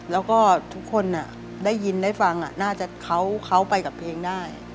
แล้วก็ทุกคนได้ยินได้ฟังน่าจะเขาไปกับเพลงได้